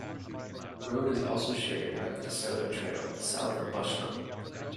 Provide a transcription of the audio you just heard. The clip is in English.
The road is also shared by the DeSoto Trail south of Bushnell.